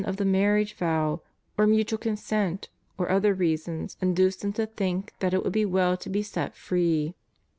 of the marriage vow, or mutual consent, or other reasons induce them to think that it would be well to be set free.